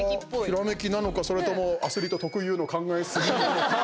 ひらめきなのか、それともアスリート特有の考えすぎなのか。